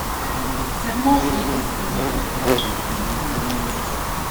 Serment au duc de Milan, Bibl.